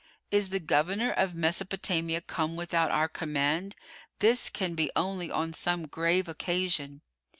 is the Governor of Mesopotamia come without our command? This can be only on some grave occasion."